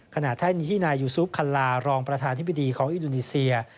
แท่นที่นายยูซุปคัลลารองประธานธิบดีของอินโดนีเซีย